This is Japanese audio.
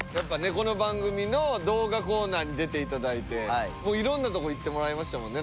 この番組の動画コーナーに出ていただいていろんな所に行ってもらいましたもんね。